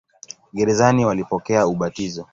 Gerezani walipokea ubatizo.